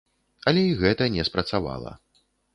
Але і гэта не спрацавала.